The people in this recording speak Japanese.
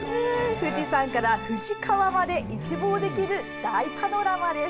富士山から冨士川まで一望できる大パノラマです。